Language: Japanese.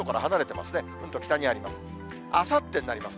もっと北にあります。